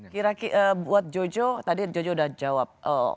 kiraki buat jojo tadi jojo udah jawab